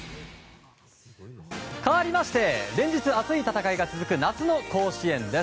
かわりまして連日、熱い戦いが続く夏の甲子園。